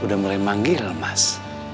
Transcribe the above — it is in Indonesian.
udah mulai manggil mas